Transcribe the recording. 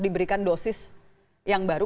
diberikan dosis yang baru